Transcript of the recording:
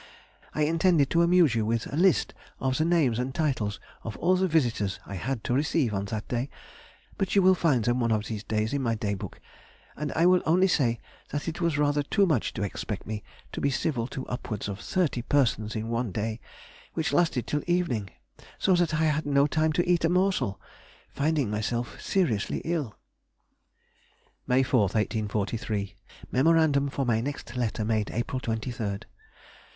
I intended to amuse you with the list of the names and titles of all the visitors I had to receive on that day, but you will find them one of these days in my Day book; and I will only say that it was rather too much to expect me to be civil to upwards of thirty persons in one day, which lasted till evening, so that I had no time to eat a morsel, finding myself seriously ill. [Sidenote: 1843. On the Zodiacal Light.] May 4, 1843. Memorandum for my next letter, made April 23rd.